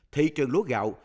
thị trường lúa gạo